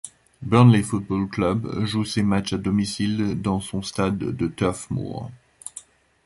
Burnley Football Club joue ses matchs à domicile dans son stade de Turf Moor.